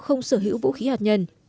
không sở hữu vũ khí hạt nhân